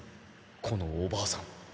このおばあさん。